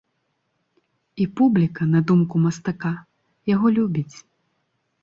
І публіка, на думку мастака, яго любіць.